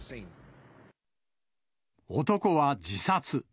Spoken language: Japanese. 男は自殺。